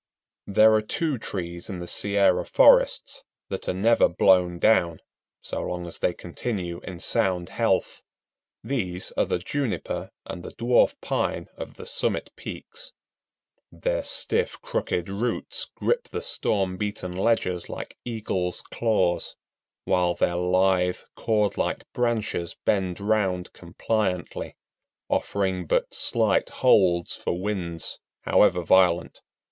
There are two trees in the Sierra forests that are never blown down, so long as they continue in sound health. These are the Juniper and the Dwarf Pine of the summit peaks. Their stiff, crooked roots grip the storm beaten ledges like eagles' claws, while their lithe, cord like branches bend round compliantly, offering but slight holds for winds, however violent.